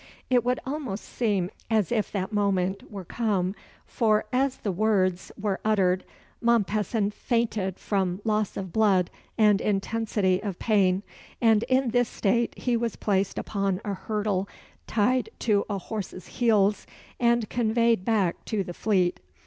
It would almost seem as if that moment were come, for, as the words were uttered, Mompesson fainted from loss of blood and intensity of pain, and in this state he was placed upon a hurdle tied to a horse's heels, and conveyed back to the Fleet.